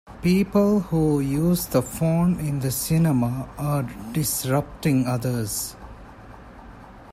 People who use the phone in the cinema are disrupting others.